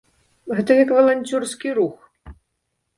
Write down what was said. Гэта як валанцёрскі рух.